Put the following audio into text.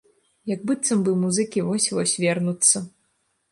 Як быццам бы музыкі вось-вось вернуцца.